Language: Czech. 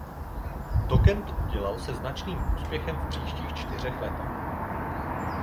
To Kent udělal se značným úspěchem v příštích čtyřech letech.